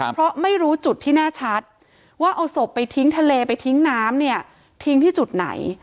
เพราะไม่รู้จุดที่แน่ชัดว่าเอาศพไปทิ้งทะเลไปทิ้งน้ำเนี่ยทิ้งที่จุดไหน